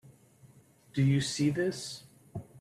Do you see this?